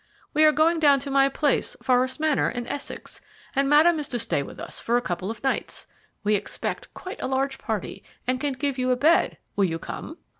We are going down to my place, Forest Manor, in Essex, and Madame is to stay with us for a couple of nights. We expect quite a large party, and can give you a bed will you come?"